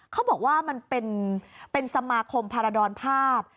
เขาบอกว่ามันเป็นสมาคมพารดรภาพ